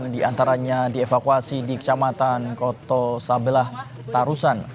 enam diantaranya dievakuasi di kecamatan koto sabelah tarusan